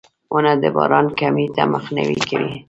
• ونه د باران کمي ته مخنیوی کوي.